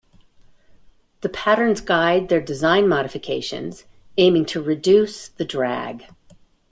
The patterns guide their design modifications, aiming to reduce the drag.